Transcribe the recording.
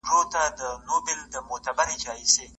د زمري تر خولې را ووتل آهونه